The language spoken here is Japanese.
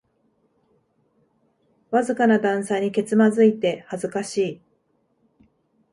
わずかな段差にけつまずいて恥ずかしい